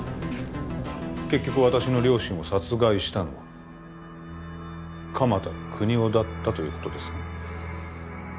結局私の両親を殺害したのは鎌田國士だったということですね？